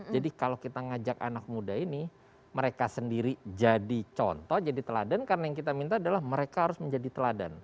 jadi kalau kita ngajak anak muda ini mereka sendiri jadi contoh jadi teladan karena yang kita minta adalah mereka harus menjadi teladan